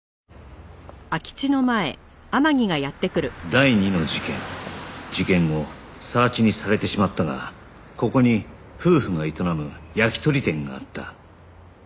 第２の事件事件後更地にされてしまったがここに夫婦が営む焼き鳥店があった